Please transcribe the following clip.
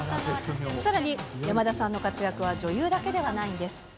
さらに、山田さんの活躍は女優だけではないんです。